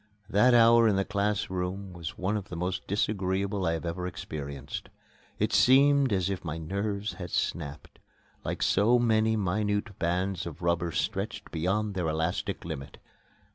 That hour in the class room was one of the most disagreeable I ever experienced. It seemed as if my nerves had snapped, like so many minute bands of rubber stretched beyond their elastic limit.